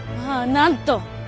なんと。